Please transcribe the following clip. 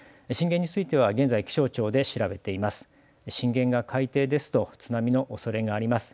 震源については現在気象庁で調べています。